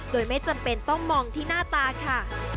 โดยไม่จำเป็นต้องมองที่หน้าตาค่ะ